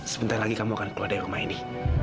sebentar lagi kamu akan keluar dari rumah ini